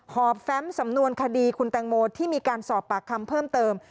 อบแฟมสำนวนคดีคุณแตงโมที่มีการสอบปากคำเพิ่มเติม